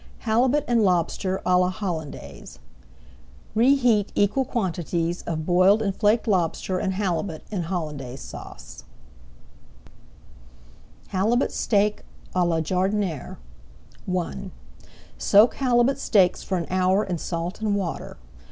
HALIBUT AND LOBSTER À LA HOLLANDAISE Reheat equal quantities of boiled and flaked lobster and halibut in Hollandaise Sauce. [Page 181] HALIBUT STEAK À LA JARDINIÈRE I Soak halibut steaks for an hour in salt and water.